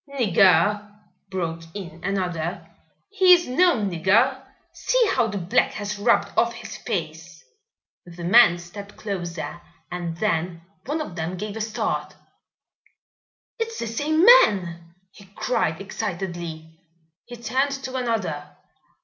"Nigger?" broke in another. "He is no nigger. See how the black has rubbed off his face." The men stepped closer and then one of them gave a start. "It's the same man!" he cried excitedly. He turned to another.